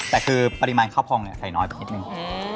แต่คือปริมาณข้าวพองใส่น้อยไปนิดนึง